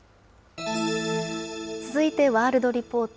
続いてワールドリポート。